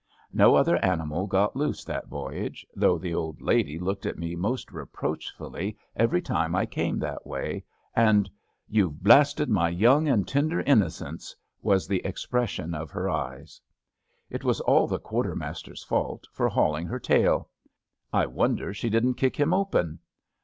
No other animal got loose that voyage, though the old lady looked at me most reproachfully every time I came that way, and * YouVe blasted my young and tender innocence ' was the expression of her eyes. It was all the quartermaster's fault for hauling her tail. I wonder she didn't kick him open.